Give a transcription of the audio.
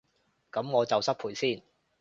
噉我就失陪先